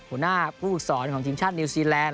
หัวหน้าผู้สอนของทีมชาตินิวซีแลนด